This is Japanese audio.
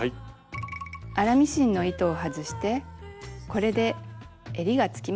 粗ミシンの糸を外してこれでえりがつきました。